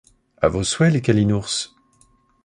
À vos souhaits les Calinours!